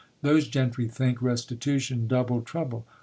Those gentry think restitution double trouble.